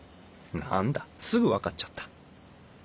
何だすぐ分かっちゃった。